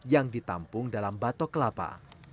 yang ditampung dalam batok kelapa